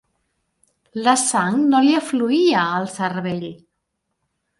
La sang no li afluïa al cervell.